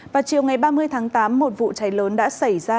vào chiều ngày ba mươi tháng tám một vụ cháy lớn đã xảy ra